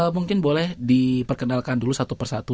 mungkin boleh diperkenalkan dulu satu persatu